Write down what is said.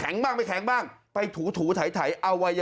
อาวาสมีการฝังมุกอาวาสมีการฝังมุกอาวาสมีการฝังมุก